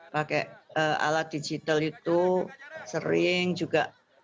pakai alat digital itu sering juga